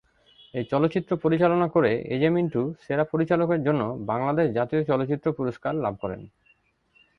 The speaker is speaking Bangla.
এই চলচ্চিত্র পরিচালনা করে এজে মিন্টু সেরা পরিচালকের জন্য বাংলাদেশ জাতীয় চলচ্চিত্র পুরস্কার লাভ করেন।